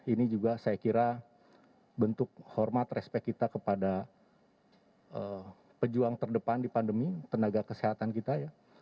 ini juga saya kira bentuk hormat respect kita kepada pejuang terdepan di pandemi tenaga kesehatan kita ya